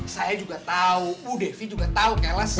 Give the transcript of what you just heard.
saya juga tahu bu devi juga tahu class